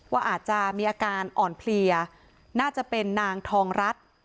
ว่าอาจจะมีอาการอ่อนเพลียน่าจะเป็นนางทองรัฐ